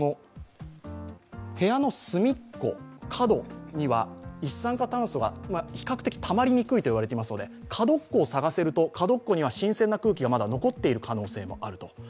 部屋の隅っこ、角には一酸化炭素が比較的たまりにくいと言われていますので、角を探せると角っこには新鮮な空気がまだ残ってる可能性がある。